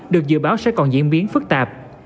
được dự báo sẽ còn diễn biến phức tạp